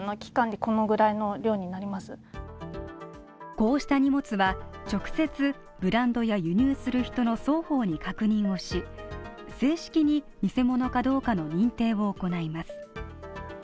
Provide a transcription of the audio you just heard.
こうした荷物は直接、ブランドや輸入する人の双方に確認をし、正式に偽物かどうかの認定を行います。